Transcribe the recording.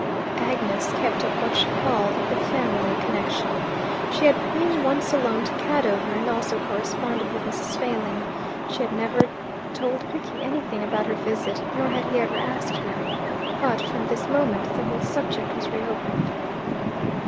Agnes kept up what she called "the family connection." She had been once alone to Cadover, and also corresponded with Mrs. Failing. She had never told Rickie anything about her visit nor had he ever asked her. But, from this moment, the whole subject was reopened.